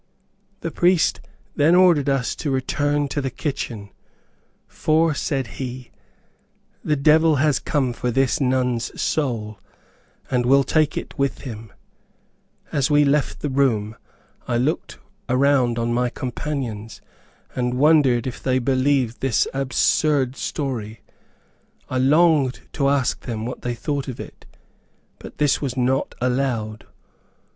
The priest then ordered us to return to the kitchen, for said he, "The devil has come for this nun's soul, and will take it with him," As we left the room I looked around on my companions and wondered if they believed this absurd story. I longed to ask them what they thought of it, but this was not allowed.